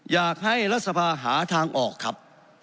อยากให้รัฐสภาหาทางออกครับ